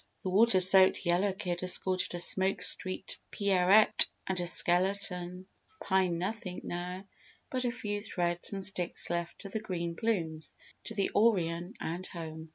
The water soaked Yellow Kid escorted a smoke streaked Pierrette and a skeleton Pine nothing now but a few threads and sticks left of the green plumes to the Orion and home.